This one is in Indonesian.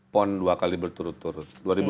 pon dua kali berturut turut